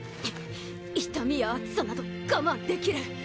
痛みや熱さなど我慢できる。